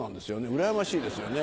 うらやましいですよね。